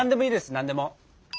何でも！